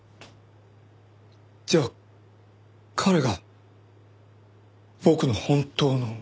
じゃあ彼が僕の本当の。